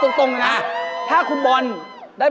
เฮ่ยแกะแบทไม่ได้